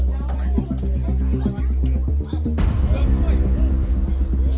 สวัสดีทุกคน